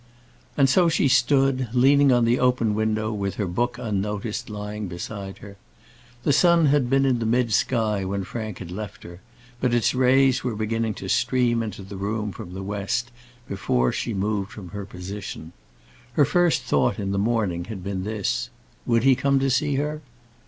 And so she stood, leaning on the open window, with her book unnoticed lying beside her. The sun had been in the mid sky when Frank had left her, but its rays were beginning to stream into the room from the west before she moved from her position. Her first thought in the morning had been this: Would he come to see her?